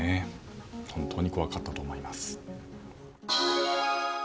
本当に怖かったと思います。